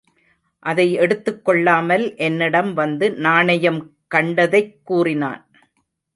அதை எடுத்துக் கொள்ளாமல் என்னிடம் வந்து நாணயம் கண்டதைக் கூறினான்.